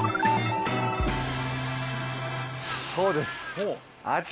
そうです。